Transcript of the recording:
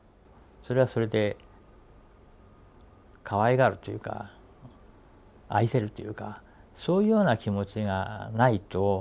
それはそれでかわいがるというか愛せるというかそういうような気持ちがないと。